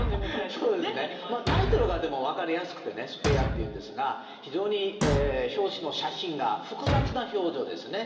タイトルが分かりやすくてね「スペア」というんですが非常に表紙の写真が複雑な表情ですね。